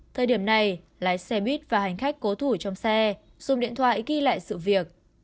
thời điểm này lái xe buýt và hành khách cố thủ trong xe dùng điện thoại ghi lại sự việc